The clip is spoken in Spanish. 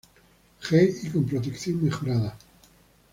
G y con protección mejorada.